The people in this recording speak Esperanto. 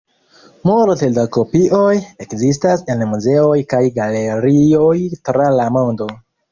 Multe da kopioj ekzistas en muzeoj kaj galerioj tra la mondo.